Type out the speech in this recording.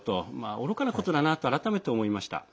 おろかなことだなと改めて思いました。